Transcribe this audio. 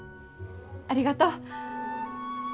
ありがとう。